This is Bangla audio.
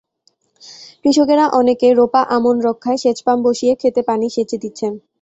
কৃষকেরা অনেকে রোপা আমন রক্ষায় সেচপাম্প বসিয়ে খেতে পানি সেচ দিচ্ছেন।